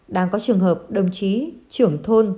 đang có trường hợp đồng chí trưởng thôn